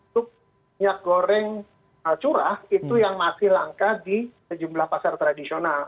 sup minyak goreng curah itu yang masih langka di sejumlah pasar tradisional